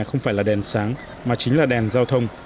không phải là đèn sáng mà chính là đèn giao thông